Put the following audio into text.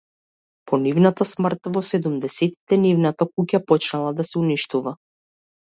По нивната смрт во седумдесетите, нивната куќа почнала да се уништува.